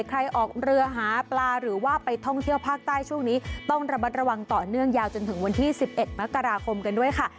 ใครออกเรือหาปลาหรือว่าไปท่องเที่ยวภาคใต้ช่วงนี้ต้องระมัดระวังต่อเนื่องยาวจนถึงวันที่๑๑มกราคมกันด้วยค่ะ